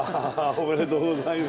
おめでとうございます。